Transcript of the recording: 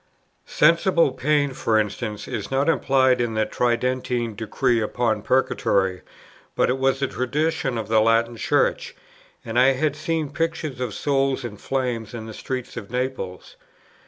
Sensible pain, for instance, is not implied in the Tridentine decree upon Purgatory; but it was the tradition of the Latin Church, and I had seen the pictures of souls in flames in the streets of Naples.